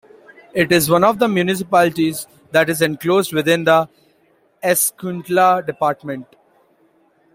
It is one of the municipalities that is enclosed within the Escuintla Department.